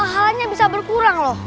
halanya bisa berkurang loh